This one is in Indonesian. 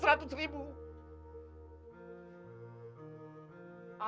ternyata janji allah tidak selamanya benar